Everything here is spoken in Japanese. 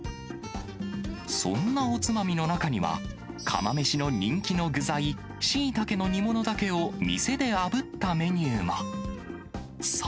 そんなおつまみの中には、釜めしの人気の具材、シイタケの煮物だけを店であぶったメニューも。